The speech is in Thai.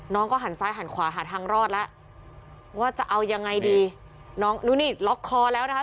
น้องก็หันซ้ายหันขวาหาทางรอดแล้วว่าจะเอายังไงดีน้องนู่นนี่ล็อกคอแล้วนะคะ